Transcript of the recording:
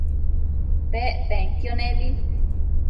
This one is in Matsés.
Pec penquio nebi